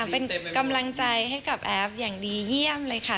เป็นกำลังใจให้กับแอฟอย่างดีเยี่ยมเลยค่ะ